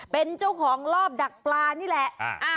เป็นเจ้าของรอบดักปลานี่แหละ